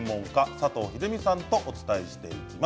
佐藤秀美さんとお伝えしていきます。